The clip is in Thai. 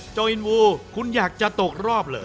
โจรอินวูคุณอยากจะตกรอบเหรอ